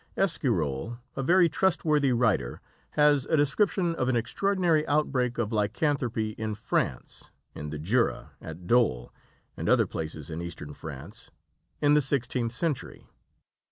Esquirol, a very trustworthy writer, has a description of an extraordinary outbreak of lycanthropy in France (in the Jura, at Dole, and other places in Eastern France) in the 16th century.